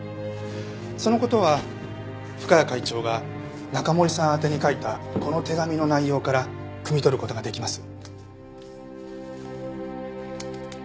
その事は深谷会長が中森さん宛てに書いたこの手紙の内容からくみ取る事ができます。